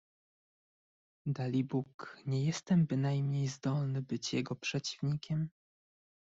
"Dalibóg, nie jestem bynajmniej zdolny być jego przeciwnikiem."